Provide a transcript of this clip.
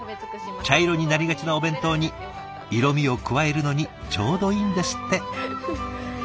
茶色になりがちなお弁当に色みを加えるのにちょうどいいんですって。